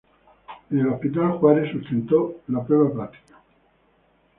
En el Hospital Juárez sustentó la prueba práctica.